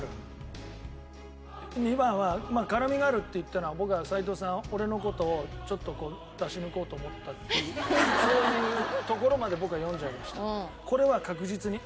２番はまあ辛みがあるって言ったのは僕は齋藤さんは俺の事をちょっと出し抜こうと思ったっていうそういうところまで僕は読んじゃいました。